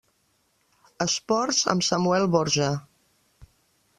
Esports amb Samuel Borja.